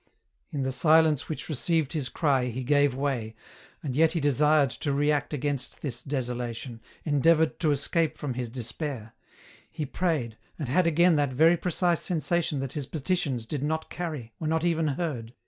In the silence which received his cry he gave way, and yet he desired to react against this desolation, en deavoured to escape from his despair ; he prayed, and had again that very precise sensation that his petitions did not carry, were not even heard.